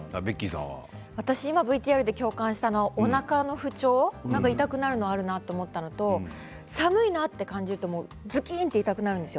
今ＶＴＲで共感したのは、おなかの不調、痛くなるのあるなと思ったのと寒いなと感じるとずきんと痛くなるんですよ。